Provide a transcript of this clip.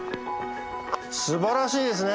すばらしいですね